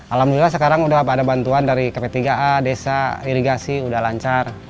alhamdulillah sekarang udah ada bantuan dari kp tiga a desa irigasi udah lancar